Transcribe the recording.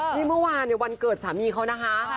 นี่เมื่อวานเนี่ยวันเกิดสามีเขานะคะ